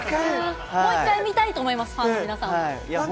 もう一回見たいと思います、ファンも皆さんも。